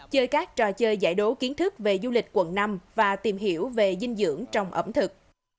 chơi các trò chơi giải đố kiến thức về du lịch quận năm và tìm hiểu về dinh dưỡng trong ẩm thực